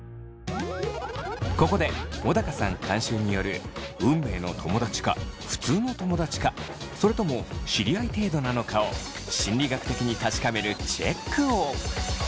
ここで小高さん監修による運命の友だちか普通の友だちかそれとも知り合い程度なのかを心理学的に確かめるチェックを。